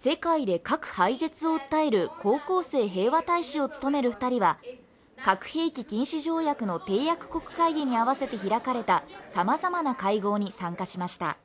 世界で核廃絶を訴える高校生平和大使を務める二人は核兵器禁止条約の締約国会議に合わせて開かれたさまざまな会合に参加しました